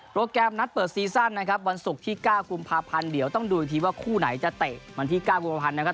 แกรมนัดเปิดซีซั่นนะครับวันศุกร์ที่๙กุมภาพันธ์เดี๋ยวต้องดูอีกทีว่าคู่ไหนจะเตะวันที่๙กุมภาพันธ์นะครับ